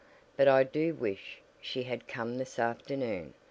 But I do wish, she had come this afternoon.